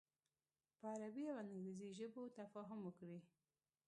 په عربي او انګریزي ژبو تفاهم وکړي.